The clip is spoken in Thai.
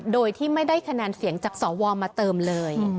โดยที่ไม่ได้คะแนนเสียงจากสวมาเติมเลย